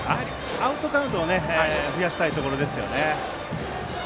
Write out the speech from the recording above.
アウトカウントを増やしたいところですね。